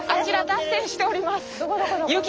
ちら脱線しております。